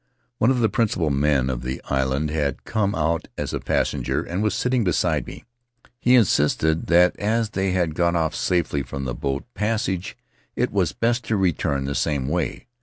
One of the principal men of the island had come out as a passenger and was sitting beside me. He insisted that as they had got off safely from the boat passage it was best to return the same way.